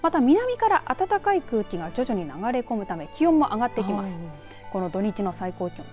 また南から暖かい空気が徐々に流れ込むため気温が上がってきます。